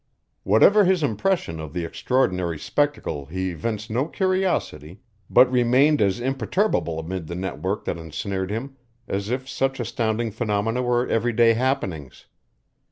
Whatever his impression of the extraordinary spectacle he evinced no curiosity but remained as imperturbable amid the network that ensnared him as if such astounding phenomena were everyday happenings.